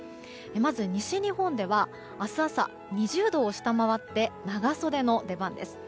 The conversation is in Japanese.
まず、西日本では明日朝２０度を下回って長袖の出番です。